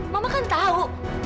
mama kan tahu